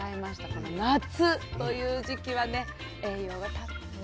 この夏という時期はね栄養がたっぷりでおいしいの。